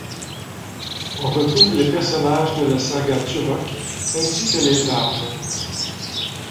On retrouve les personnages de la saga Turok, ainsi que les armes.